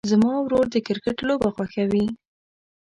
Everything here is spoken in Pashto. زما ورور د کرکټ لوبه خوښوي.